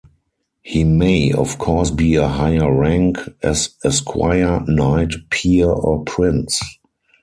He may of course be of higher rank, as esquire, knight, peer, or prince.